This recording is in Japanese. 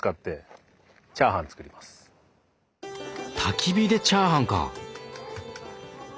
たき火でチャーハンか！